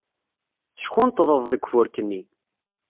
Teckunṭḍeḍ deg ufurk-nni.